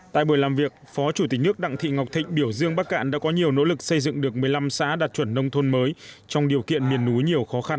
tại buổi làm việc phó chủ tịch nước đặng thị ngọc thịnh biểu dương bắc cạn đã có nhiều nỗ lực xây dựng được một mươi năm xã đạt chuẩn nông thôn mới trong điều kiện miền núi nhiều khó khăn